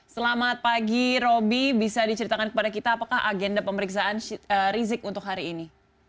selamat pagi roby bisa diceritakan kepada kita apakah agenda pemeriksaan rizik untuk hari ini